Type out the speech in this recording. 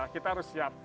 kita harus siap